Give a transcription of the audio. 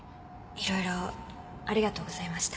色々ありがとうございました。